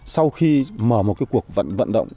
sau khi mở một cái cuộc vận động